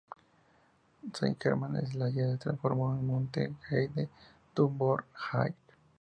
Saint-Germain-en-Laye se transformó en Montagne-du-Bon-Air.